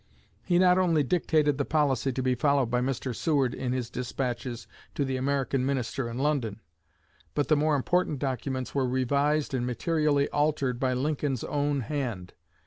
He not only dictated the policy to be followed by Mr. Seward in his despatches to the American Minister in London, but the more important documents were revised and materially altered by Lincoln's own hand.